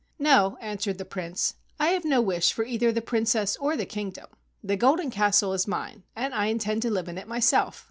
"No," answered the Prince, "I have no wish for either the Princess or the kingdom. The Golden Castle is mine and I intend to live in it myself."